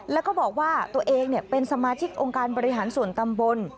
แล้วก็บอกว่าตัวเองเป็นสมาชิกองค์การบริหารส่วนตำบล